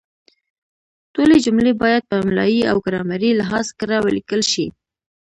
ټولې جملې باید په املایي او ګرامري لحاظ کره ولیکل شي.